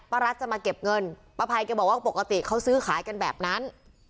รัฐจะมาเก็บเงินป้าภัยแกบอกว่าปกติเขาซื้อขายกันแบบนั้น